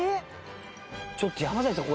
ちょっと山崎さん